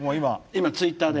今ツイッターで？